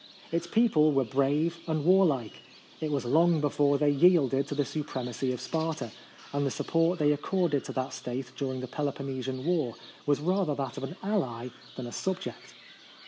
Its people were brave and warlike. It was long before they yielded to the supremacy of Sparta; and the support they ac corded to that State during the Peloponnesian war was rather that of an ally than a subject.